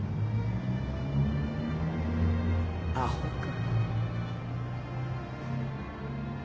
アホか。